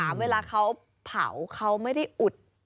แต่ว่าก่อนอื่นเราต้องปรุงรสให้เสร็จเรียบร้อย